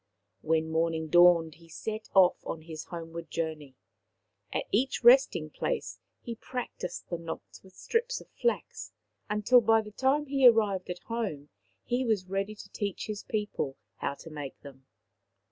When morning dawned he set off on his home ward journey. At each resting place he practised the knots with strips of flax, until by the time he arrived at home he was ready to teach his people how to make them.